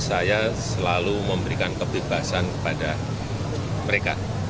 saya selalu memberikan kebebasan kepada mereka